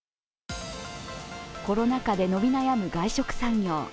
コロナ禍で伸び悩む外食産業。